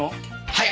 はい！